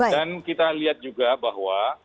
dan kita lihat juga bahwa